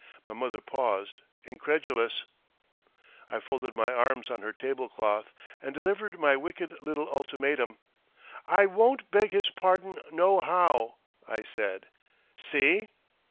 My mother paused, incredulous. I folded my arms on her table cloth, and delivered my wicked little ultimatum. "I won't beg his pardon nohow," I said. "See?"